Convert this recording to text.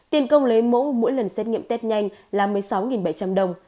tiền công lấy mẫu mỗi lần xét nghiệm test nhanh là một mươi sáu bảy trăm linh đồng